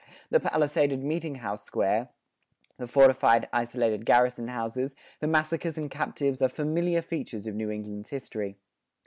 The palisaded meeting house square, the fortified isolated garrison houses, the massacres and captivities are familiar features of New England's history.